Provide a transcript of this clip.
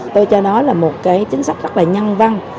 tôi cho đó là một chính sách rất là nhân văn